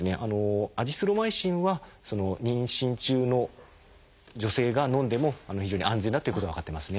アジスロマイシンは妊娠中の女性がのんでも非常に安全だということが分かってますね。